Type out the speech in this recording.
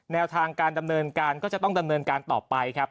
แนวทางการดำเนินการก็จะต้องดำเนินการต่อไปครับ